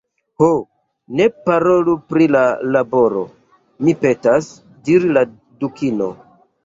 "Ho, ne parolu pri la laboro, mi petas," diris la Dukino. "